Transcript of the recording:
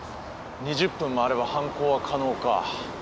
２０分もあれば犯行は可能か。